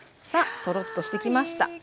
さあとろっとしてきました。